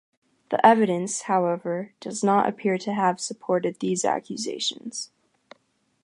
The evidence, however, does not appear to have supported these accusations.